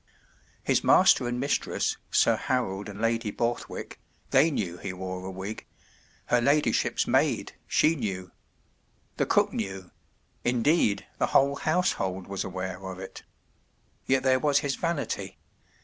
His master and mistress, Sir Harold and Lady Borthwick, they knew he wore a wig; her ladyship’s maid, she knew. The cook knew; indeed, the whole household was aware of it. Yet there was his vanity.